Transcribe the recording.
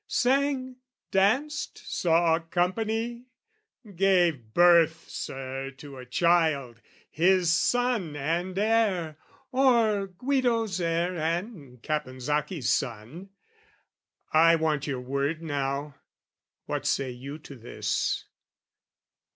sang, danced, saw company? Gave birth, Sir, to a child, his son and heir, Or Guido's heir and Caponsacchi's son. I want your word now: what do you say to this?